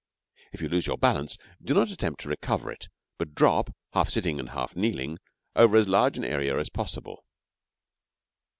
If you lose your balance, do not attempt to recover it, but drop, half sitting and half kneeling, over as large an area as possible.